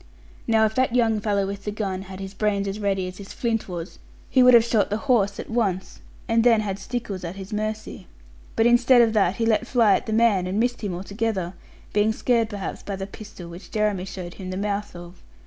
Now if that young fellow with the gun had his brains as ready as his flint was, he would have shot the horse at once, and then had Stickles at his mercy; but instead of that he let fly at the man, and missed him altogether, being scared perhaps by the pistol which Jeremy showed him the mouth of.